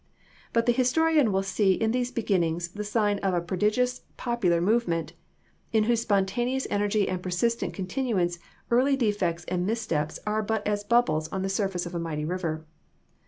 But the historian will see in these beginnings the sign of a prodigious popular movement, in whose spontaneous energy and persistent continuance early defects and missteps are but as bubbles on the surface of a mighty river.